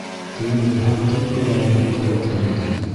Кейендерһәң, кем күрә уның ҡыҙ икәнлеген.